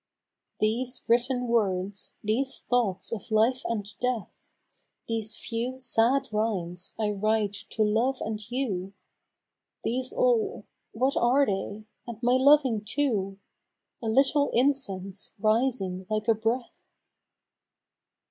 These written words, these thoughts of Life and Death, These few sad rhymes I write to Love and you, — These all, — what are they ? and my loving too ? A little incense rising like a breath